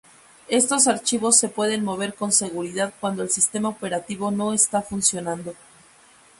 Estos archivos se pueden mover con seguridad cuando el sistema operativo no está funcionando.